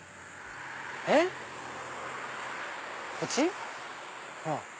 えっ？こっち？